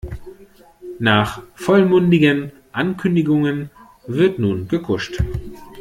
Nach vollmundigen Ankündigungen wird nun gekuscht.